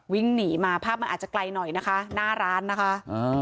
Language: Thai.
วิ่งหนีมาภาพมันอาจจะไกลหน่อยนะคะหน้าร้านนะคะอ่า